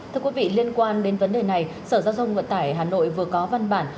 thưa quý vị liên quan đến vấn đề này sở giao thông vận tải hà nội vừa có văn bản